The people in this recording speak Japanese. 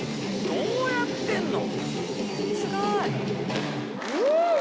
どうやってんの⁉